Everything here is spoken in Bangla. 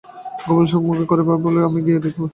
গোপাল শুল্কমুখে কাতরভাবে বলিল, আমি গিয়ে কী করব হে?